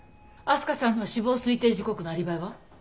明日香さんの死亡推定時刻のアリバイは？